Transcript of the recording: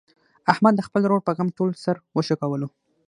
احمد د خپل ورور په غم ټول سر و شکولو.